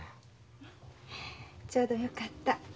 ちょうどよかった。